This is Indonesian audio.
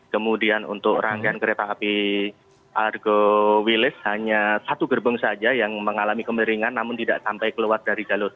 kemudian untuk rangkaian kereta api argo willift hanya satu gerbong saja yang mengalami kemeringan namun tidak sampai keluar dari jalur